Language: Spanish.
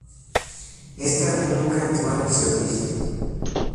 Este avión nunca entró en servicio.